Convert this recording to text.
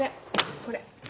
これ。